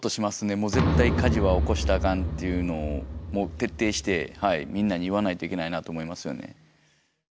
もう絶対火事は起こしたらあかんっていうのを徹底してみんなに言わないといけないなと思いますよね。